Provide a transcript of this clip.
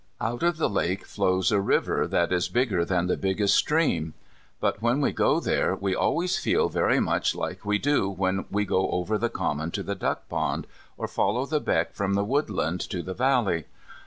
Out of the lake flows a river, that is bigger than the biggest stream. But when we go there we always feel very much like we do when we go over the common to the duck pond, or follow the beck from the woodland to the valley.